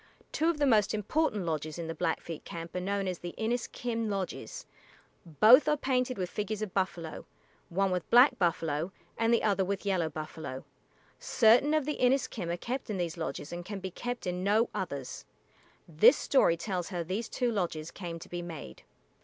Two of the most important lodges in the Blackfeet camp are known as the [=I]n[)i]s´k[)i]m lodges. Both are painted with figures of buffalo, one with black buffalo, and the other with yellow buffalo. Certain of the Inis´kim are kept in these lodges and can be kept in no others. This story tells how these two lodges came to be made.